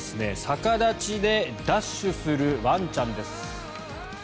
逆立ちでダッシュするワンちゃんです。